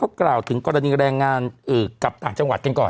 กล่าวถึงกรณีแรงงานกลับต่างจังหวัดกันก่อน